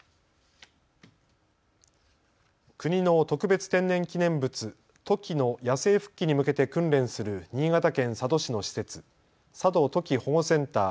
国の特別天然記念物、トキの野生復帰に向けて訓練する新潟県佐渡市の施設、佐渡トキ保護センター